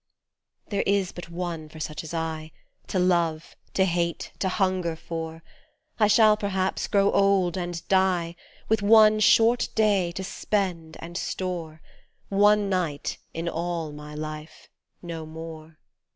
There is but one for such as I To love, to hate, to hunger for ; I shall, perhaps, grow old and die, With one short day to spend and store, One night, in all my life, no more.